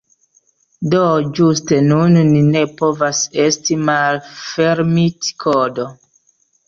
Do, ĝuste nun ni ne povas esti malfermitkodo